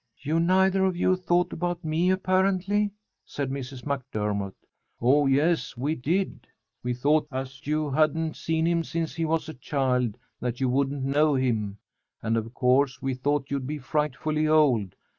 "You neither of you thought about me, apparently," said Mrs. MacDermott. "Oh, yes we did. We thought as you hadn't seen him since he was a child that you wouldn't know him. And of course we thought you'd be frightfully old.